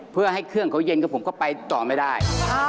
เพื่อให้เครื่องเขาเย็นกับผมก็ไปต่อไม่ได้